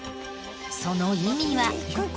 その意味は。